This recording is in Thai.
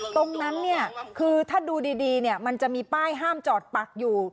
ตรงนั้นเนี่ยคือถ้าดูดีมันจะมีป้ายห้ามจอดปักอยู่